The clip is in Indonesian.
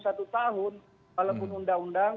satu tahun walaupun undang undang